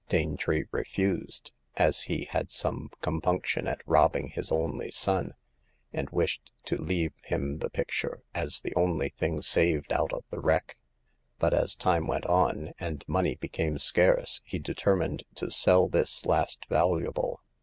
Danetree refused, as he had some compunction at robbing his only son, and wished to leave him the picture as the only thing saved out of the wreck. But as time went on, and money became scarce, he deterniined to sell this last valuable.